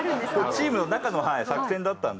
チームの中の作戦だったんで。